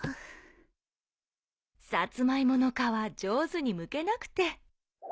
サツマイモの皮上手にむけなくて。